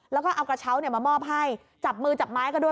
แล้วก็เอากระเช้ามามอบให้จับมือจับไม้ก็ด้วย